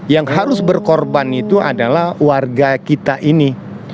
yang harus berkorban itu adalah warga kita ini